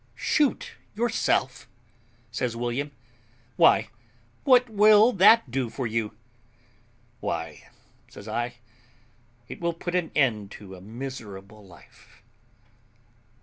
"Shoot yourself!" says William; "why, what will that do for you?" "Why," says I, "it will put an end to a miserable life."